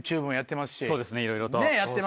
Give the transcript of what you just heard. そうですねいろいろと。